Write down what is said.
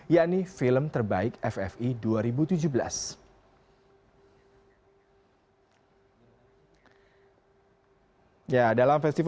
yakni film terbaik ffi dua ribu tujuh belas